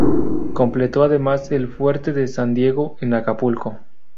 Completó además el Fuerte de San Diego en Acapulco.